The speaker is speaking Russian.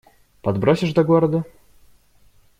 Подбросишь до города?